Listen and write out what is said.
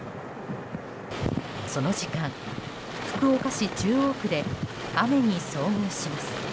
その時間、福岡市中央区で雨に遭遇します。